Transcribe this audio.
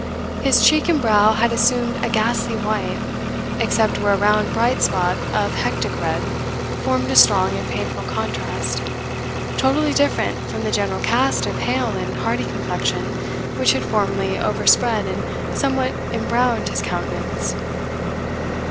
His cheek and brow had assumed a ghastly white, except where a round bright spot of hectic red formed a strong and painful contrast, totally different from the general cast of hale and hardy complexion which had formerly overspread and somewhat embrowned his countenance.